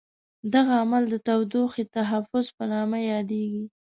دغه عمل د تودوخې تحفظ په نامه یادیږي.